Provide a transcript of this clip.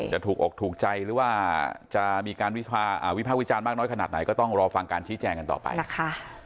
จะถูกอกถูกใจหรือว่าจะมีการวิภาควิจารณ์มากน้อยขนาดไหนก็ต้องรอฟังการชี้แจงกันต่อไปนะคะ